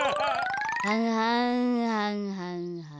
はんはんはんはんはん。